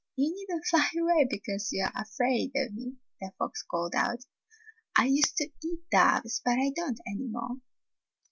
"You need n't fly away because you are afraid of me," the fox called out. "I used to eat doves, but I don't any more."